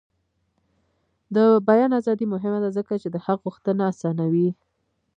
د بیان ازادي مهمه ده ځکه چې د حق غوښتنه اسانوي.